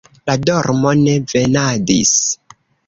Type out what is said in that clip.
La dormo ne venadis.